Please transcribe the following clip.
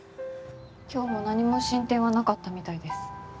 今日も何も進展はなかったみたいです。